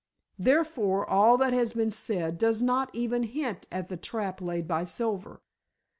Therefore all that has been said does not even hint at the trap laid by Silver.